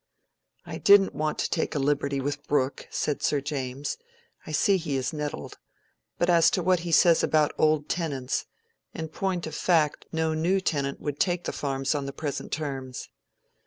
"I didn't want to take a liberty with Brooke," said Sir James; "I see he is nettled. But as to what he says about old tenants, in point of fact no new tenant would take the farms on the present terms."